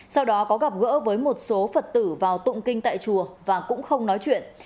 sau đó có gặp gỡ với một số phật tử vào tụng kinh tại chùa và cũng không nói chuyện